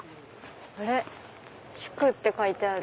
あれ「祝」って書いてある。